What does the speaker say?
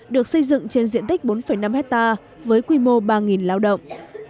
được xây dựng trên diện tích bốn năm hectare với quy mô ba lao động